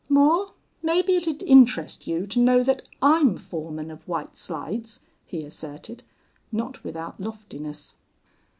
"Moore, maybe it'd interest you to know that I'm foreman of White Slides," he asserted, not without loftiness.